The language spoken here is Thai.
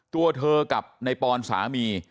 ตัวเธอกับในปอนสามี